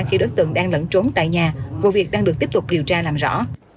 khi đối tượng đang lẫn trốn tại nhà vụ việc đang được tiếp tục điều tra làm rõ